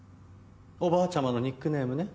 おばあちゃまのニックネームね。